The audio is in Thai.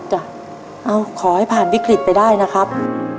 เอ้าขอให้ผ่านวิกฤตไปได้นะครับ